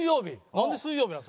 なんで水曜日なん？